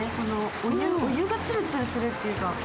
お湯がツルツルするっていうか。